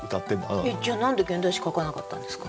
じゃあ何で現代詩書かなかったんですか？